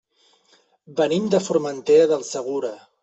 Venim de Formentera del Segura.